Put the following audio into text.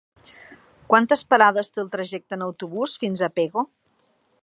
Quantes parades té el trajecte en autobús fins a Pego?